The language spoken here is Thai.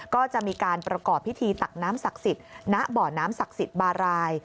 ก็จะมีการประกอบพิธีตักน้ำศักดิ์สิทธิ์ณบ่อน้ำศักดิ์สิทธิ์บาราย